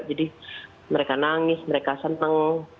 jadi mereka nangis mereka senteng